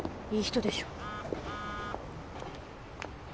いい人でしょ。